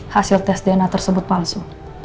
hasil tes dna tersebut palsu